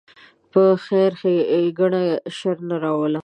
په خیر کښېنه، شر نه راوله.